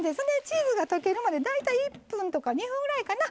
チーズが溶けるまで大体１分とか２分ぐらいかな。